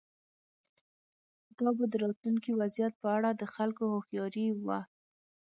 دا به د راتلونکي وضعیت په اړه د خلکو هوښیاري وه.